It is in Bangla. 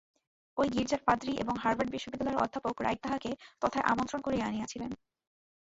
ঐ গীর্জার পাদ্রী এবং হার্ভার্ড বিশ্ববিদ্যালয়ের অধ্যাপক রাইট তাঁহাকে তথায় আমন্ত্রণ করিয়া আনিয়াছিলেন।